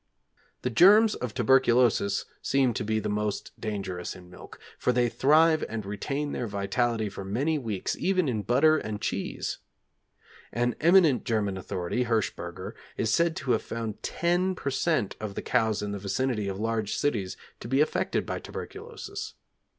The germs of tuberculosis seem to be the most dangerous in milk, for they thrive and retain their vitality for many weeks, even in butter and cheese. An eminent German authority, Hirschberger, is said to have found 10 per cent of the cows in the vicinity of large cities to be affected by tuberculosis.